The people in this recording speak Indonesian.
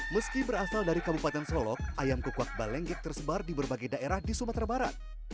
meski berasal dari kabupaten solok ayam kukuak balenggik tersebar di berbagai daerah di sumatera barat